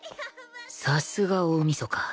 さすが大みそか